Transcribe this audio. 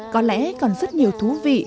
có lẽ còn rất nhiều thú vị